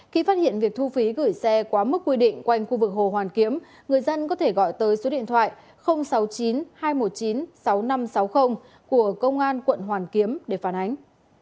khi phát hiện việc thu phí gửi xe quá mức quy định quanh khu vực hồ hoàn kiếm người dân có thể gọi tới số điện thoại sáu mươi chín hai trăm một mươi chín sáu nghìn năm trăm sáu mươi của công an quận hoàn kiếm để phản ánh